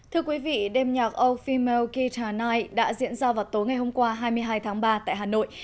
thưa quý vị đêm nhạc old female kita night đã diễn ra vào tối ngày hôm qua hai mươi hai tháng ba tại hà nội